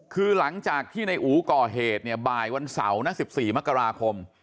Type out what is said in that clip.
คือหลังจากที่ในอู๋ก่อเหตุเนี่ยบ่ายวันเสาร์นะ๑๔มกราคม